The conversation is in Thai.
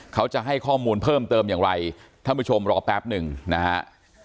เขาจะให้ข้อมูลเพิ่มเติมอย่างไรท่านผู้ชมรอแป๊บหนึ่งนะฮะ